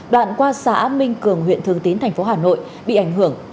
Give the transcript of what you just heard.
đoạn qua xã minh cường huyện thường tín tp hà nội bị ảnh hưởng